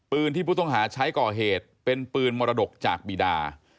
ที่ผู้ต้องหาใช้ก่อเหตุเป็นปืนมรดกจากบีดา